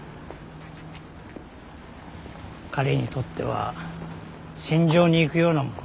彼にとっては戦場に行くようなもの。